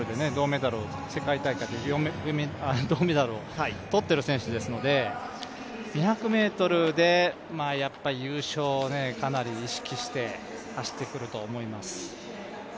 ４００ｍで銅メダルを取っている選手ですので２００ｍで優勝をかなり意識して走ってくると思います。